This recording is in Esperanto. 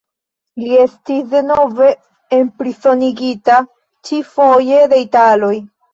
Li estis denove enprizonigita, ĉi-foje de italoj.